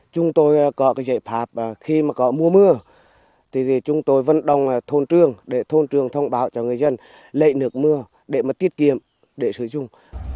chúng tôi có cái giải pháp khi mà có mưa mưa thì chúng tôi vẫn đồng thôn trường để thôn trường thông báo cho người dân lệ nước mưa để tiết kiệm để sử dụng